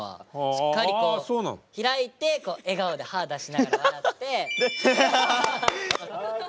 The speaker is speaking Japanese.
しっかりこう開いて笑顔で歯出しながら笑って。